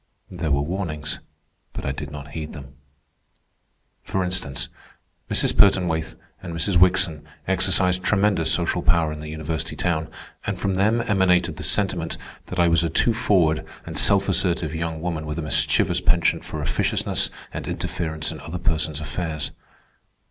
There were warnings, but I did not heed them. For instance, Mrs. Pertonwaithe and Mrs. Wickson exercised tremendous social power in the university town, and from them emanated the sentiment that I was a too forward and self assertive young woman with a mischievous penchant for officiousness and interference in other persons' affairs.